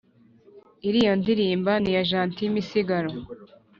iriya ndirimba ni iya gentil misigaro